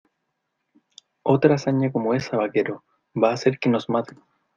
Otra hazaña como esa, vaquero , va a hacer que nos maten.